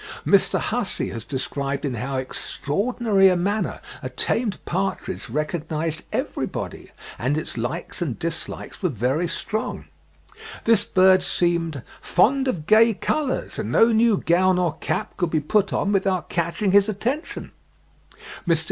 Mr. Hussey has described in how extraordinary a manner a tamed partridge recognised everybody: and its likes and dislikes were very strong. This bird seemed "fond of gay colours, and no new gown or cap could be put on without catching his attention." (13. The 'Zoologist,' 1847 48, p. 1602.) Mr.